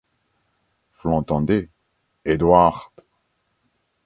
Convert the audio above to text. Vous l’entendez, Edward !